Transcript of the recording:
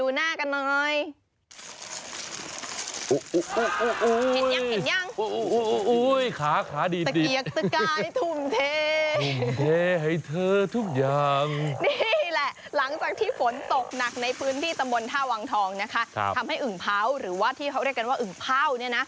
หลังจากที่ฝนตกหนักในพื้นที่ตะมนต์ท่าวังทองทำให้อึ่งพร้าวหรือว่าที่เขาเรียกกันว่าอึ่งพร้าว